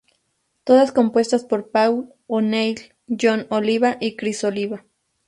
Todas compuestas por Paul O'Neill, Jon Oliva y Criss Oliva.